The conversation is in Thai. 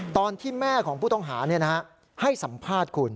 ตอนที่แม่ของผู้ต้องหาให้สัมภาษณ์คุณ